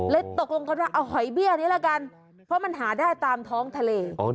ตกลงกันว่าเอาหอยเบี้ยนี้ละกันเพราะมันหาได้ตามท้องทะเล